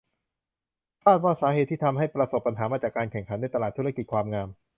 คาดว่าสาเหตุที่ทำให้ประสบปัญหามาจากการแข่งขันในตลาดธุรกิจความงาม